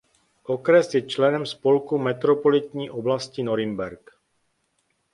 Okres je členem spolku metropolitní oblasti Norimberk.